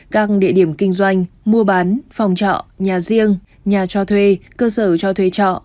các địa điểm kinh doanh mua bán phòng trọ nhà riêng nhà cho thuê cơ sở cho thuê trọ